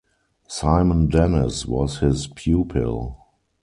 Simon Denis was his pupil.